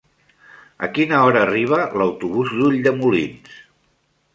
A quina hora arriba l'autobús d'Ulldemolins?